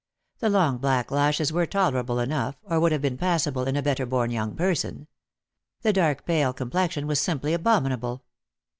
The long black lashes were tolerable enough, or would have been passable in a better born young person. The dark pale complexion was simply abominable.